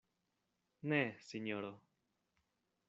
Ne, sinjoro.